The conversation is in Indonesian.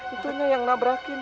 itu aja yang nabrakin kang